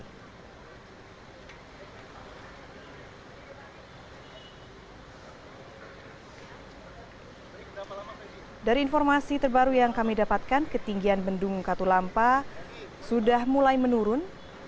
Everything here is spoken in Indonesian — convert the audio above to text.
dari informasi terbaru yang kami dapatkan ketinggian bendung katulampa sudah mulai menurun